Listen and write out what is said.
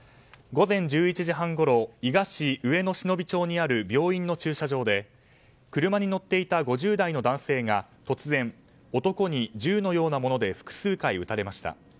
午前１１時半ごろ伊賀市上野忍町にある病院の駐車場で車に乗っていた５０代の男性が突然、男に銃のようなもので複数回、撃たれました。